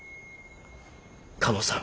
嘉納さん。